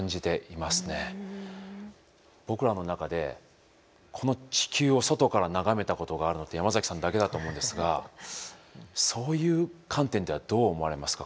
僕らの中でこの地球を外から眺めたことがあるのって山崎さんだけだと思うんですがそういう観点ではどう思われますか？